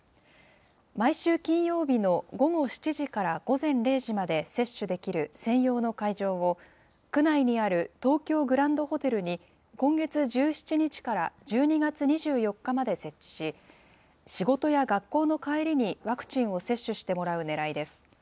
毎週金曜日の午後７時から午前０時まで接種できる専用の会場を、区内にある東京グランドホテルに、今月１７日から１２月２４日まで設置し、仕事や学校の帰りにワクチンを接種してもらうねらいです。